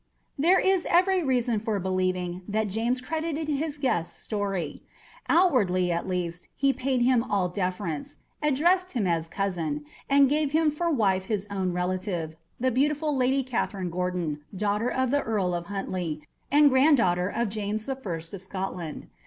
There is every reason for believing that James credited his guest's story; outwardly, at least, he paid him all deference; addressed him as "cousin," and gave him for wife his own relative, the beautiful Lady Catherine Gordon, daughter of the Earl of Huntley, and granddaughter of James the First of Scotland.